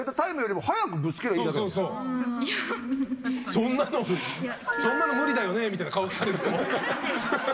そんなのそんなの無理だよねみたいな顔されても。